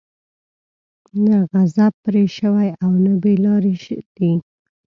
نه غضب پرې شوى او نه بې لاري دي.